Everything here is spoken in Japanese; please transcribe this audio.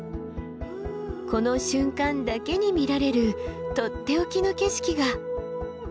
この瞬間だけに見られるとっておきの景色が。